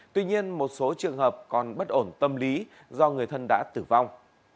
tuy nhiên một số trường hợp còn bất ổn tâm lý do người thân đã tử vong